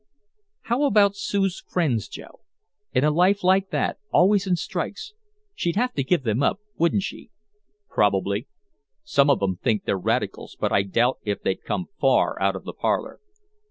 "How about Sue's friends, Joe? In a life like that always in strikes she'd have to give them up, wouldn't she?" "Probably. Some of 'em think they're radicals, but I doubt if they'd come far out of the parlor."